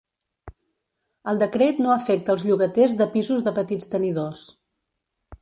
El decret no afecta els llogaters de pisos de petits tenidors.